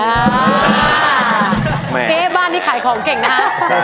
เก๊บ้านที่ขายของเก่งนะครับ